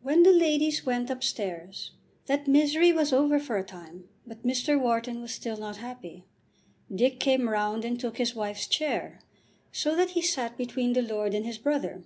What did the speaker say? When the ladies went upstairs that misery was over for a time, but Mr. Wharton was still not happy. Dick came round and took his wife's chair, so that he sat between the lord and his brother.